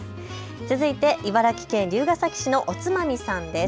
続いて茨城県龍ケ崎市のおつまみさんです。